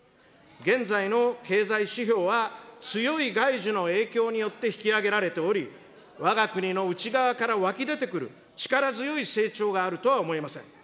現在の経済指標は強い外需の影響によって引き上げられており、わが国の内側から湧き出てくる力強い成長があるとは思えません。